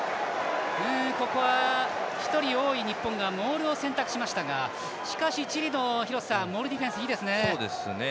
ここは、１人多い日本がモールを選択しましたがしかし、チリのモールディフェンスいいですね。